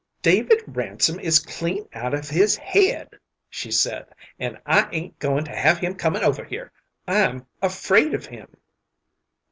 "David Ransom is clean out of his head," she said, "and I ain't goin' to have him comin' over here. I'm afraid of him."